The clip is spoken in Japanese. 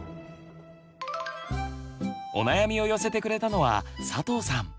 お悩みを寄せてくれたのは佐藤さん。